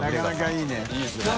いいですね。